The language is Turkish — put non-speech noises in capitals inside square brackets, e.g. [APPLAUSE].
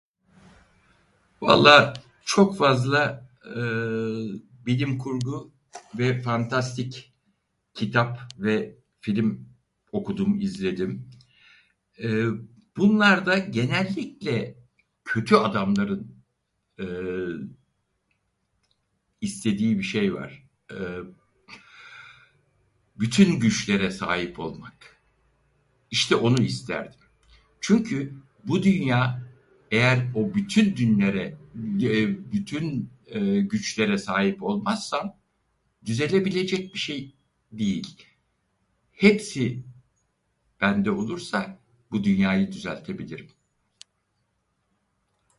Valla çok fazla [HESITATION] bilimkurgu ve fantastik kitap ve film okudum, izledim. [HESITATION] Bunlarda genellikle kötü adamların [HESITATION] istediği birşey var; [HESITATION] bütün güçlere sahip olmak! İşte onu isterdim. Çünkü bu dünya eğer o bütün dünlere- [HESITATION] bütün güçlere sahip olmazsam düzelebilecek birşey değil. Hepsi bende olursa bu dünyayı düzeltebilirim.